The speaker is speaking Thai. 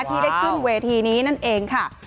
ที่ได้ขึ้นเวทีนี้นั่นเองค่ะ